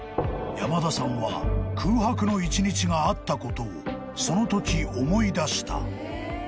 ［山田さんは空白の１日があったことをそのとき思い出した］